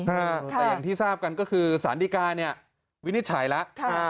แต่อย่างที่ทราบกันก็คือสารดีกาเนี่ยวินิจฉัยแล้ว